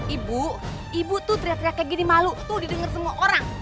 ibu ibu tuh teriak teriak kayak gini malu tuh didengar semua orang